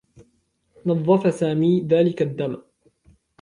نظّف سامي ذلك الدّم.